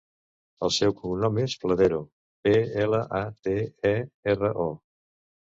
El seu cognom és Platero: pe, ela, a, te, e, erra, o.